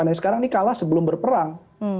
yang sekarang ini kalah sebelum berperang